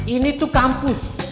ini tuh kampus